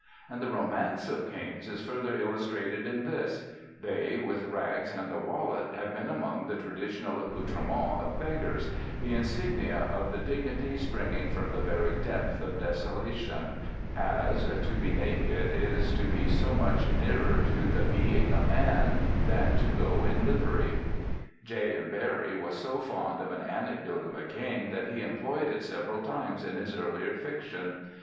And the romance of canes is further illustrated in this: they, with rags and the wallet, have been among the traditional accoutrements of beggars, the insignia of the "dignity springing from the very depth of desolation; as, to be naked is to be so much nearer to the being a man, than to go in livery." J. M. Barrie was so fond of an anecdote of a cane that he employed it several times in his earlier fiction.